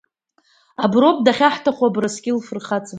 Аброуп дахьаҳҭаху, Абрыскьыл фырхаҵа.